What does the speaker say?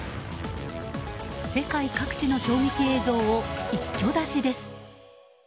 世界各地の衝撃映像を一挙出しです。